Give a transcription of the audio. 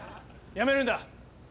やめるんだ！